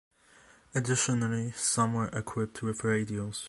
Additionally, some were equipped with radios.